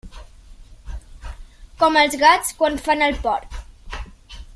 Com als gats quan fan el porc.